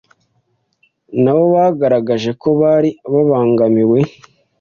nabo bagaragaje ko bari babangamiwe